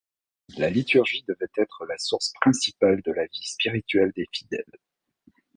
La liturgie devrait être la source principale de la vie spirituelle des fidèles.